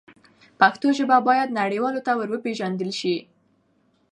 پښتو ژبه باید نړیوالو ته ور وپیژندل سي.